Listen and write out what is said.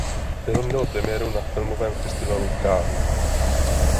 Film měl premiéru na Filmovém festivalu v Cannes.